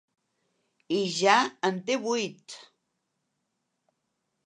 I ja en té vuit!